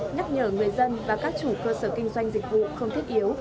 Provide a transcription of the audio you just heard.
nhắc nhở người dân và các chủ cơ sở kinh doanh dịch vụ không thiết yếu